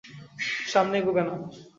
সামনে এগুবে না।